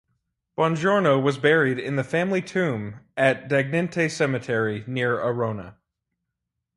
Bongiorno was buried in the family tomb, at Dagnente Cemetery, near Arona.